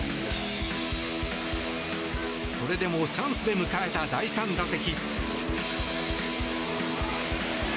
それでもチャンスで迎えた第３打席。